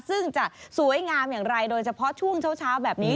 ซึ่งจะสวยงามอย่างไรโดยเฉพาะช่วงเช้าแบบนี้